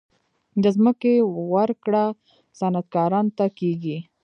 د ځمکې ورکړه صنعتکارانو ته کیږي